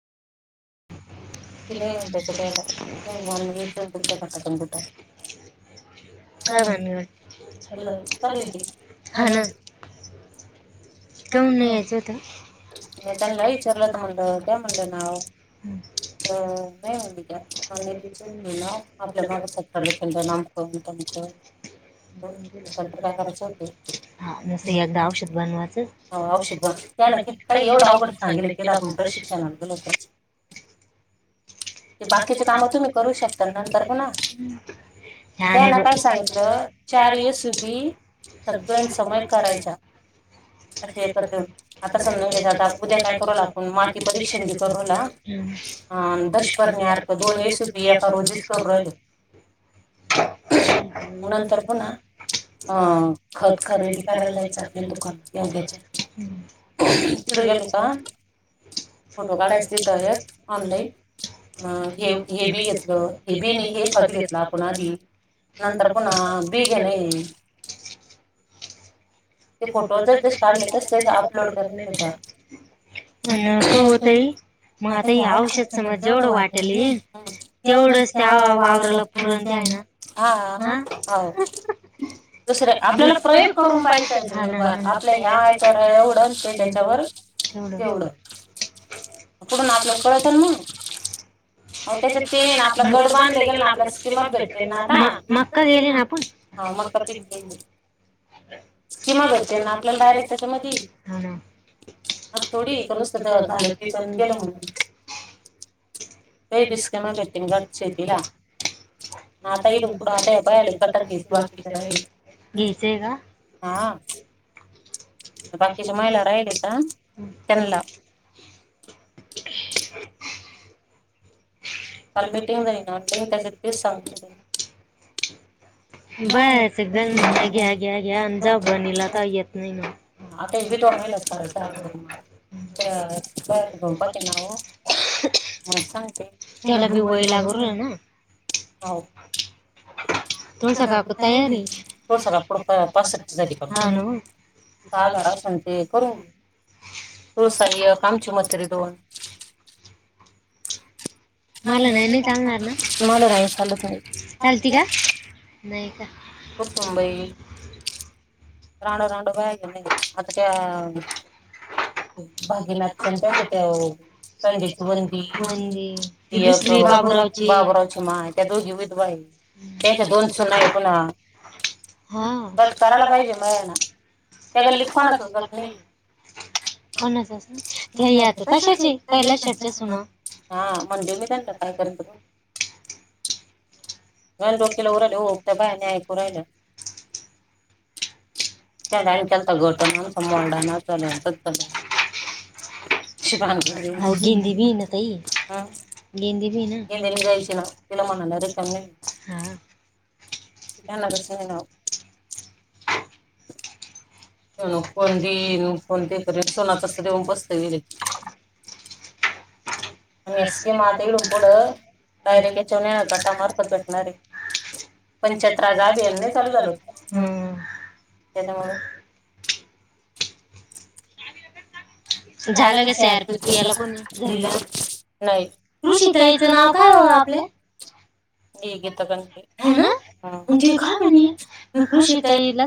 [unintelligible] कायां, चालू हाय की, हा ना, काऊन यायचं होत. [unintelligible] औषध बनवाचं औषध ब त्यान कि काही एवढं अवघध सांगेल कड आपण प्रशिक्षण बाकीचे काम तुम्ही करू शकता नंतर पण ना, हम्म, त्याने काय सांगितलं चार येसुपी सगळया समोर करायचा असे एकत्र येऊन आता उद्या काय करूला आपण माती परीक्षण बी करूना. ह दशपर्णी अर्क दोन्ही सुपीयक रोजीच करू राहिल, नंतर पुन्हा हा खत खरेदी करायला जायचं आपल्याला [unintelligible] पुढे गेलो का फोटो काढायच तिथं एक ऑनलाईन अ हे हे बी घेतलं हे बी नाही हे खत घेतलं आपण आधी नंतर पुन्हा बी घे नय ते फोटो जसे जसे काढले तसे तसे अपलोड करणे त्याच्यात, पण का वो ताई. ताई औषध समज जेवढं वाटेला येईल तेवढंच त्या वावराला पुरण आहे ना ह दुसर आपल्याला प्रयोग करून पाहिचा आहे. [unintelligible] त्या के नाही ना आपण गट बांधले गेल ना आपल्या किमाप भेटते ना मका गेले ना आपण ह मका त गेन स्कीमात होते ना आपल्याला डायरेक्ट मधी ह थोडी पण झाल ते पण गेलं मग. [unintelligible] आ. बाकी रमाला का? काल मीटिंग झाली ना आमची त्याच्यात तेच सांगीतल. बस गं घ्या घ्या घ्या [unintelligible] तिला बी गोळी लागून, हाव. तुळसा काकु तयार हायं हाको तयारीारी तळसला ह सग त का. मला नाही नाही चालणार ना चालती का? नाही का? [unintelligible] ती दुसरी बाबूरावची माय त्या दोघी पण त्यांचा दोन सुना आहेत हा कट करायला पाहिजे मग. त्या गल्लीत कोणाच गट नाही कोणाचच नाही ते आता तशाच आहेत कैलासाच्या सुना हा म्हणटले मी त्यानला काय करयाचं ते. मया डोक्याला ओरहि होत बायां नाही ऐकू रायला. त्यात आणि केलता घोट ना [unintelligible] गिदी बी हे ना [unintelligible] कोण कोण देईल कोणं ते करेल सोनातस देऊन बसतय [unintelligible] [inaudible] झालं ना सी आर पी च कर नाही कृशीताईचं नाव काय हो आपल्या हे गीता दणके हा ना ते काय म्हनी कृशीताई